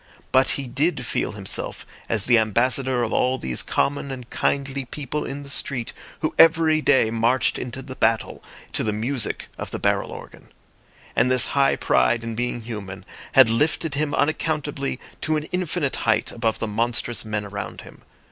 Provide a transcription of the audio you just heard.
But he did feel himself as the ambassador of all these common and kindly people in the street, who every day marched into battle to the music of the barrel organ. And this high pride in being human had lifted him unaccountably to an infinite height above the monstrous men around him.